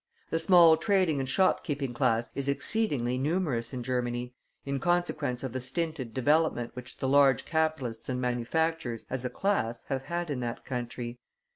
The small trading and shopkeeping class is exceedingly numerous in Germany, in consequence of the stinted development which the large capitalists and manufacturers as a class have had in that country.